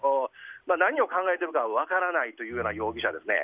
何を考えているかは分からないという容疑者ですね。